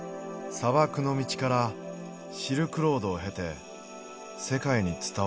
砂漠の道からシルクロードを経て世界に伝わったもの